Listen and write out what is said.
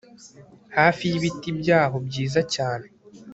Hafi y ibiti byaho byiza cyane